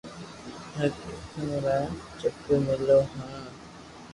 هر قسم را چپ ملو هو